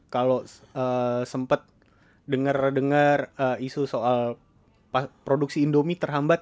kalo sempet denger dengar isu soal produksi indomie terhambat